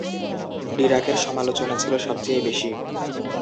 ডিরাকের সমালোচনা ছিল সবচেয়ে বেশি।